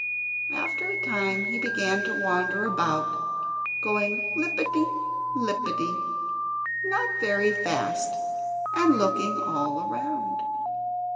After a time he began to wander about, going lippity lippity not very fast, and looking all around.